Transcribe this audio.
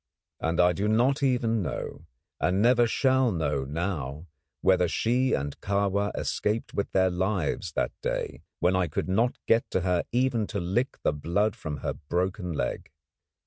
And I do not even know, and never shall know now, whether she and Kahwa escaped with their lives that day, when I could not get to her even to lick the blood from her broken leg.